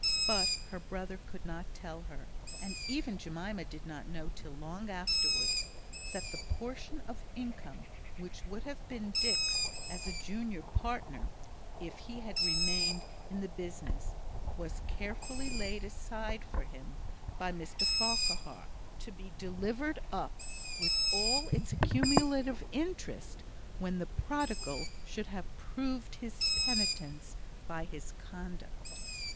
But her brother could not tell her and even Jemima did not know, till long afterwards that the portion of income which would have been Dick's as a junior partner, if he had remained in the business, was carefully laid aside for him by Mr Farquhar; to be delivered up, with all its accumulated interest, when the prodigal should have proved his penitence by his conduct.